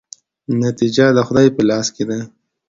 نتیجه د خدای په لاس کې ده؟